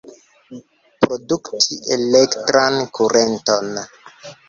Produkti elektran kurenton.